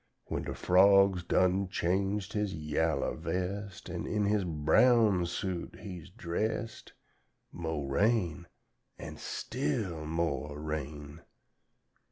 "When da frog's done changed his yaller vest, An' in his brown suit he is dressed, Mo' rain, an' still mo' rain!